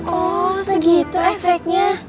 oh segitu efeknya